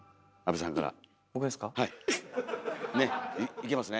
いけますね？